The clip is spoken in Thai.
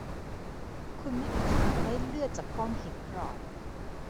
คุณไม่มีทางได้เลือดจากก้อนหินหรอก